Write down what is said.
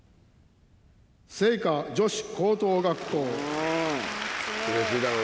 精華女子高等学校。